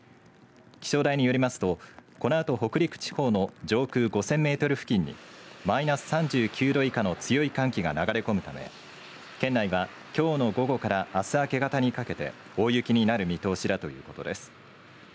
気象台によりますとこのあと、北陸地方の上空５０００メートル付近にマイナス３９度以下の強い寒気が流れ込むため、県内はきょうの午後からあす明け方にかけて大雪になる見通しだということです。